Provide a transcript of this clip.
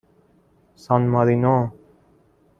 سان مارینو